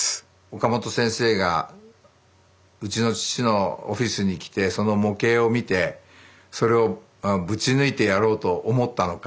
岡本先生がうちの父のオフィスに来てその模型を見てそれをぶち抜いてやろうと思ったのか。